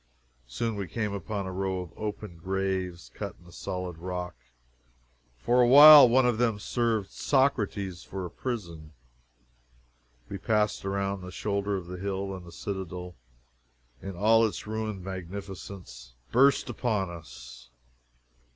Soon we came upon a row of open graves, cut in the solid rock (for a while one of them served Socrates for a prison) we passed around the shoulder of the hill, and the citadel, in all its ruined magnificence, burst upon us!